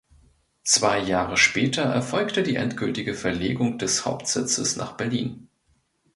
Zwei Jahre später erfolgte die endgültige Verlegung des Hauptsitzes nach Berlin.